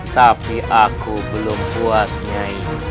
tapi aku belum puas nyai